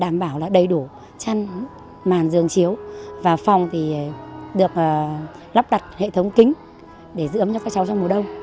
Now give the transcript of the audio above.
đảm bảo là đầy đủ chăn màn giường chiếu và phòng thì được lắp đặt hệ thống kính để giữ ấm cho các cháu trong mùa đông